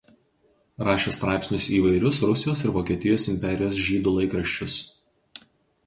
Rašė straipsnius į įvairius Rusijos ir Vokietijos imperijos žydų laikraščius.